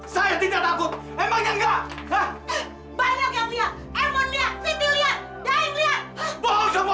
saya berani sumpah saya berani sumpah apa saja